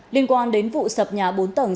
liên quan đến vụ sập nhà bốn tầng